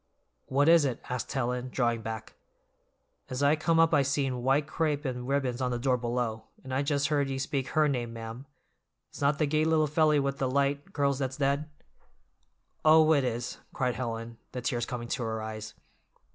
"What is it?" asked Helen, drawing back. "As I come up I seen white crape and ribbons on the door below, and I just heard ye speak her name, ma'am; it's not the gay little felly with the light curls that's dead?" "Oh, it is," cried Helen, the tears coming to her eyes.